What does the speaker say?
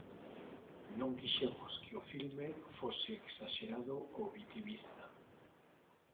Non quixemos que o filme fose esaxerado ou vitimista.